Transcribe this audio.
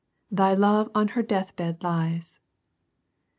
thy love on her death bed lies!